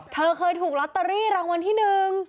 เธอเคยถูกลอตเตอรี่รางวัลที่หนึ่ง